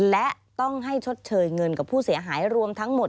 และต้องให้ชดเชยเงินกับผู้เสียหายรวมทั้งหมด